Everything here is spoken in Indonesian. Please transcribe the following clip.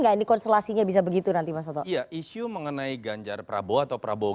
enggak di konstelasinya bisa begitu nanti masa iya isu mengenai ganjar prabowo atau prabowo